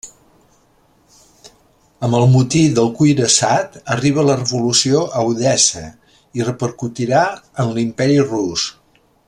Amb el motí del cuirassat arriba la revolució a Odessa i repercutirà en l'Imperi rus.